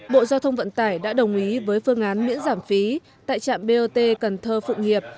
bộ giao thông vận tải đã đồng ý với phương án miễn giảm phí tại trạm bot cần thơ phụng hiệp